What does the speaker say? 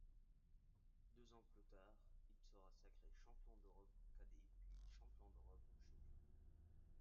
Deux ans plus tard, il sera sacré champion d'Europe cadet, puis champion d'Europe juniors.